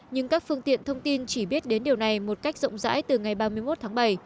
nhưng các phương tiện thông tin chỉ biết đến điều này một cách rộng rãi từ ngày ba mươi một tháng bảy